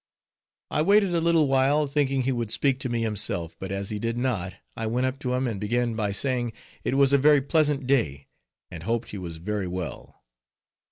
I waited a little while, thinking he would speak to me himself; but as he did not, I went up to him, and began by saying it was a very pleasant day, and hoped he was very well.